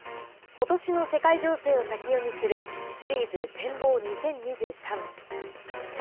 今年の世界情勢を先読みするシリーズ展望２０２３。